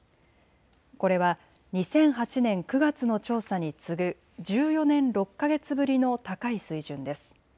これは２００８年９月の調査に次ぐ１４年６か月ぶりの高い水準です。